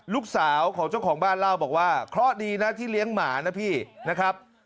ลูกสาวของเจ้าของบ้านเล่าบอกว่าเคราะห์ดีนะที่เลี้ยงหมานะพี่นะครับ